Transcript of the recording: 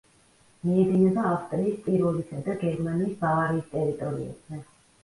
მიედინება ავსტრიის ტიროლისა და გერმანიის ბავარიის ტერიტორიებზე.